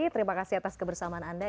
terima kasih atas kebersamaan anda